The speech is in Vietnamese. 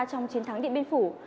trong chiến thắng địa biên phủ